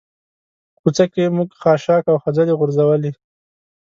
په کوڅه کې موږ خاشاک او خځلې غورځولي.